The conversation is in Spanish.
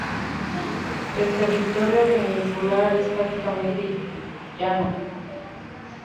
El territorio peninsular es prácticamente llano.